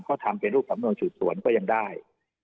เขาทำเป็นทางสำนงสิวษฎก็ยังได้